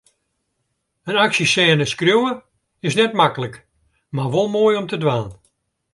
In aksjesêne skriuwe is net maklik, mar wol moai om te dwaan.